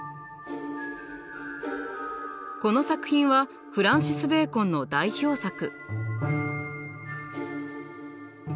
この作品はフランシス・ベーコンの代表作。